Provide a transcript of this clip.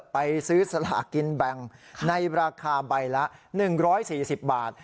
ไปซื้อสลากินแบ่งในราคาใบละ๑๔๐บาท